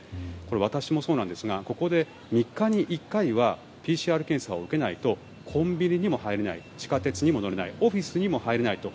私もそうなんですがここで３日に１回はＰＣＲ検査を受けないとコンビニにも入れない地下鉄にも乗れないオフィスにも入れないと。